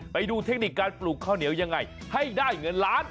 เทคนิคการปลูกข้าวเหนียวยังไงให้ได้เงินล้าน